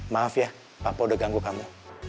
maaf ya papa udah ganggu kamu